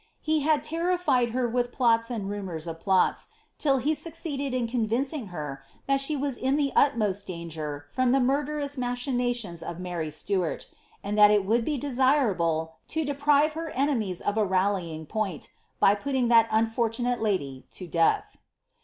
He had terrified her with plots and inraours of plots, till he succeeded in convincing her that she was in the utmost danger from the murderous machinations of Mary Stuart, and that it would be desirable to deprive her enemies of a rallying point, by putting that unfortunate lady to death.